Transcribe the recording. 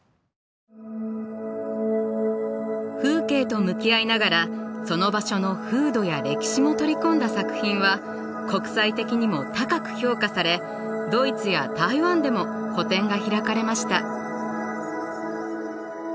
風景と向き合いながらその場所の風土や歴史も取り込んだ作品は国際的にも高く評価されドイツや台湾でも個展が開かれました。